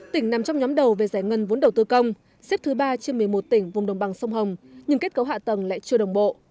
tỉnh nằm trong nhóm đầu về giải ngân vốn đầu tư công xếp thứ ba trên một mươi một tỉnh vùng đồng bằng sông hồng nhưng kết cấu hạ tầng lại chưa đồng bộ